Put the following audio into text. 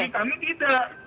tapi kami tidak